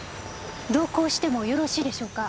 同行してもよろしいでしょうか？